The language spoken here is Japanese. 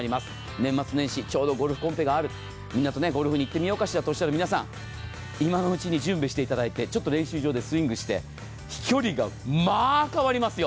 年末年始、ちょうどゴルフコンペがある、みんなとゴルフに行ってみようかしらという皆さん、今のうちに準備していただいてちょっと練習場でスイングして飛距離がまあ変わりますよ。